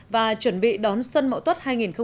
và chuẩn bị đón xuân mẫu tuất hai nghìn một mươi tám